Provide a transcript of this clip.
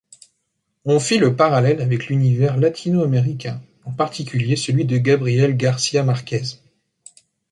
On fit le parallèle avec l’univers latino-américain, en particulier celui de Gabriel García Marquez.